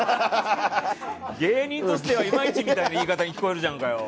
芸人としてはいまいちみたいに聞こえるじゃんかよ！